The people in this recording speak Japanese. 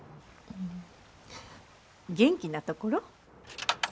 ん元気なところ？